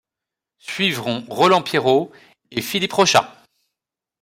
Suivront Roland Pierroz et Philippe Rochat.